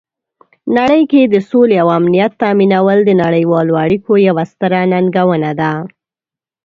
نړۍ کې د سولې او امنیت تامینول د نړیوالو اړیکو یوه ستره ننګونه ده.